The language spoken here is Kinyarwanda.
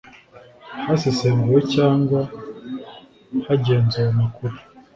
hasesenguwe cyangwa hagenzuwe amakuru